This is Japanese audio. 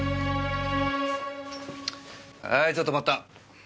はいちょっと待った！